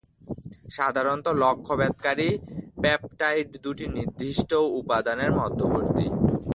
সাধারণত লক্ষ্যভেদকারী পেপ্টাইড দুটি নির্দিষ্ট উপাদানের মধ্যবর্তী।